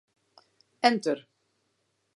Enter.